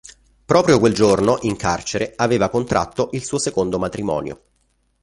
Proprio quel giorno, in carcere, aveva contratto il suo secondo matrimonio.